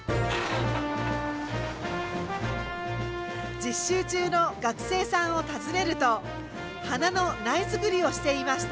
実習中の学生さんを訪ねると花の苗づくりをしていました。